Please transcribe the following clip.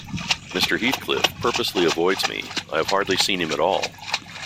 Mr. Heathcliff purposely avoids me: I have hardly seen him at all.